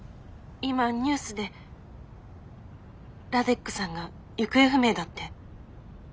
今ニュースでラデックさんが行方不明だって。